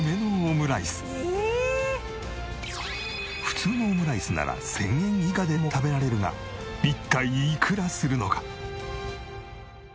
普通のオムライスなら１０００円以下でも食べられるが一体いくらするのか？